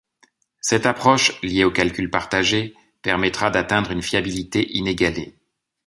Cette approche, liée au calcul partagé, permettra d'atteindre une fiabilité inégalée.